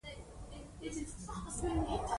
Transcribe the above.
د تاریخ حساسه مقطعه پېښه شوه.